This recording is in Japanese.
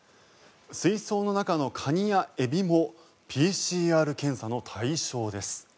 水槽の中のカニやエビもＰＣＲ検査の対象です。